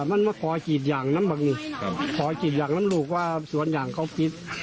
มันมาขอจีดยางน้ำลูกว่าสวนอย่างเขาพริก